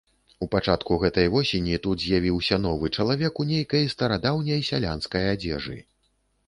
У пачатку гэтай восені тут з'явіўся новы чалавек, у нейкай старадаўняй сялянскай адзежы.